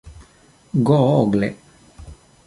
google